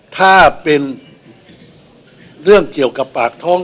ถ้าเป็นเรื่องเกี่ยวกับปากท้อง